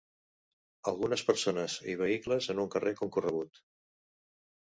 Algunes persones i vehicles en un carrer concorregut.